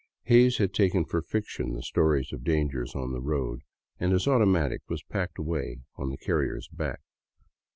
Hays had taken for fiction the stories of dangers on the road, and his automatic was packed away on the carrier's back.